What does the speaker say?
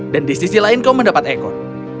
dan di sisi lain kau mendapat ekor